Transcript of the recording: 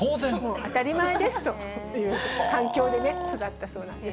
当たり前ですという環境でね、育ったそうなんです。